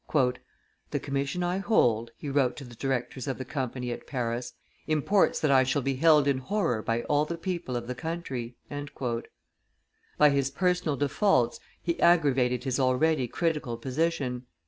"The commission I hold," he wrote to the directors of the Company at Paris, "imports that I shall be held in horror by all the people of the country." By his personal defaults he aggravated his already critical position.